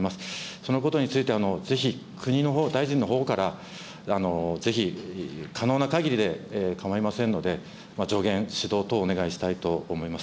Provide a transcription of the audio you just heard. そのことについて、ぜひ国のほう、大臣のほうから、ぜひ、可能なかぎりで構いませんので、助言、指導等お願いしたいと思います。